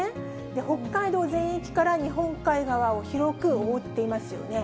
北海道全域から日本海側を広く覆っていますよね。